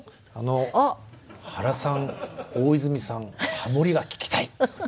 「原さん大泉さんハモりが聴きたい」。